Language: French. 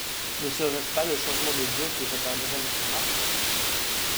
Ne serait-ce pas le chargement de Joe qui retarderait notre marche ?